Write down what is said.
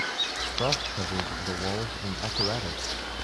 Frost covered the walls and apparatus.